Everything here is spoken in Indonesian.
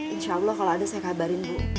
insya allah kalau ada saya kabarin bu